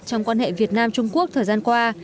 trong quan hệ việt nam trung quốc thời gian qua